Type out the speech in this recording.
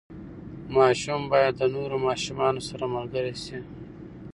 ماشوم باید د نورو ماشومانو سره ملګری شي.